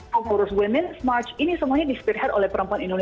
fomorus women's march ini semuanya di spearhead oleh perempuan